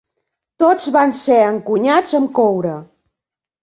Tots van ser encunyats amb coure.